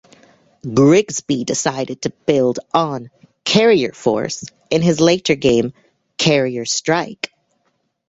Grigsby decided to build on "Carrier Force" in his later game "Carrier Strike".